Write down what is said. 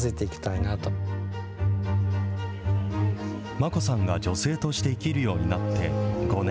マコさんが女性として生きるようになって、５年。